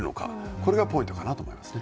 これがポイントかなと思いますね。